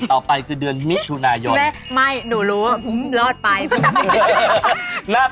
ครับพี่ไม่ได้คิดอีกอย่างจริง